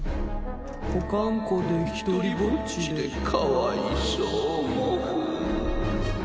保管庫で独りぼっちでかわいそうもふ。